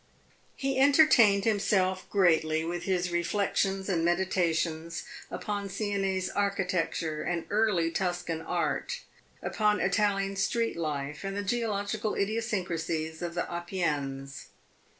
He entertained himself greatly with his reflections and meditations upon Sienese architecture and early Tuscan art, upon Italian street life and the geological idiosyncrasies of the Apennines.